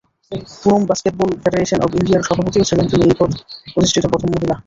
Poonam basketball federation of ইন্ডিয়ার সভাপতিও ছিলেন, তিনি এই পদে অধিষ্ঠিত প্রথম মহিলা।